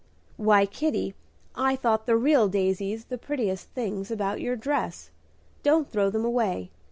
"Why, Kitty, I thought the real daisies the prettiest things about your dress. Don't throw them away.